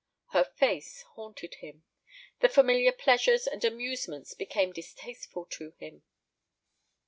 Her face haunted him. The familiar pleasures and amusements became distasteful to him.